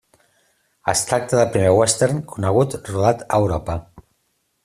Es tracta del primer western conegut rodat a Europa.